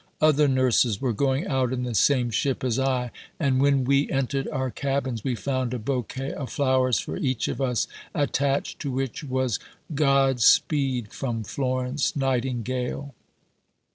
Other nurses were going out in the same ship as I, and when we entered our cabins we found a bouquet of flowers for each of us, attached to which was "God speed from Florence Nightingale."